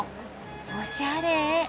おしゃれ。